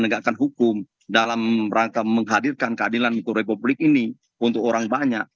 menegakkan hukum dalam rangka menghadirkan keadilan untuk republik ini untuk orang banyak